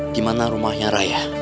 dimana rumahnya raya